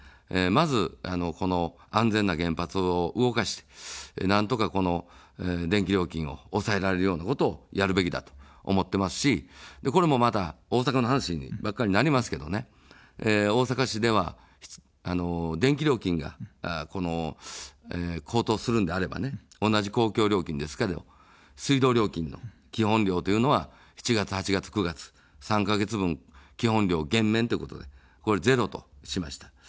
まず、この安全な原発を動かして、なんとかこの電気料金を抑えられるようなことをやるべきだと思ってますし、これもまた大阪の話ばかりになりますけどね、大阪市では、電気料金が、この高騰するのであれば、同じ公共料金ですけれども水道料金の基本料というのは７月、８月、９月、３か月分基本料減免としてこれゼロとしました。